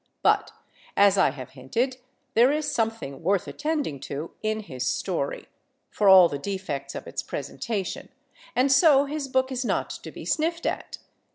But, as I have hinted, there is something worth attending to in his story, for all the defects of its presentation, and so his book is not to be sniffed at.